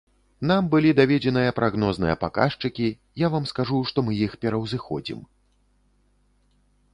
Нам былі даведзеныя прагнозныя паказчыкі, я вам скажу, што мы іх пераўзыходзім.